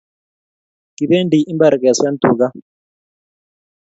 Kibendi imbar keswen tuka